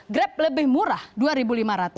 grab lebih murah rp dua lima ratus